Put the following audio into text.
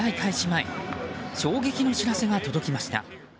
前衝撃の知らせが届きました。